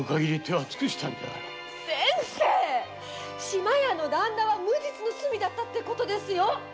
志摩屋のだんなは無実の罪だったってことですよ。